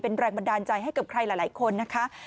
แล้วก็ขอบคุณทีมช่างแต่งหน้าของคุณส้มที่ให้เรานำเสนอข่าวนี้